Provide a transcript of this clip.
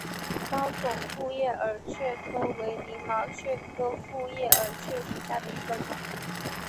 高耸复叶耳蕨为鳞毛蕨科复叶耳蕨属下的一个种。